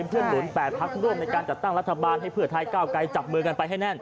เพื่อหนุน๘พักร่วมในการจัดตั้งรัฐบาลให้เพื่อไทยก้าวไกลจับมือกันไปให้แน่น